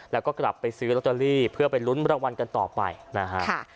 แล้วก็กลับไปซื้อลอตเตอรี่เพื่อไปลุ้นรางวัลกันต่อไปนะฮะ